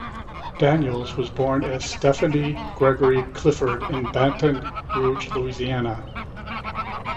Daniels was born as Stephanie Gregory Clifford in Baton Rouge, Louisiana.